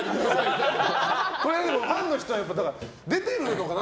これ、だけどファンの人は何か出ているのかな。